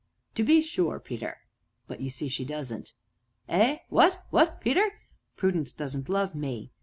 "To be sure, Peter." "But, you see, she doesn't." "Eh what? What, Peter?" "Prudence doesn't love me!"